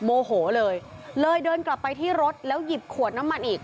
โมโหเลยเลยเดินกลับไปที่รถแล้วหยิบขวดน้ำมันอีก